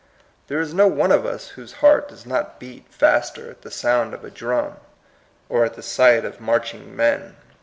There is no one of us whose heart does not beat faster at the sound of a drum, or at the sight of marching men.